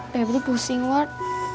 febri pusing wak